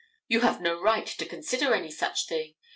You have no right to consider any such thing.